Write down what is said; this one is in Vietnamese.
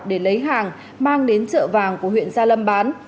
để lấy hàng mang đến chợ vàng của huyện gia lâm bán